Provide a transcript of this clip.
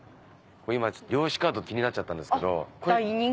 漁師カード気になっちゃったんですけど。